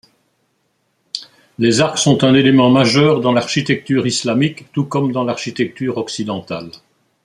Les arcs sont un élément majeur dans l'architecture islamique tout comme dans l'architecture occidentale.